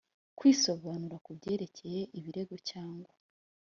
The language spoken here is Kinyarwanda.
kwisobanura ku byerekeye ibirego cyangwa